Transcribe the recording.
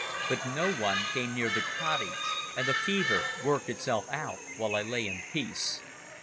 But no one came near the cottage, and the fever worked itself out while I lay in peace.